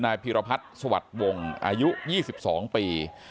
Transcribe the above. นายพิรพัฒน์สวัสดิ์วงอายุ๒๒ปี